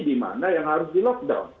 di mana yang harus di lockdown